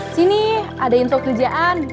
sini ada info kerjaan